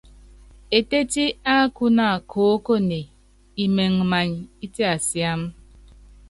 Etétí ákúna koókoné imɛŋ many itiasiám.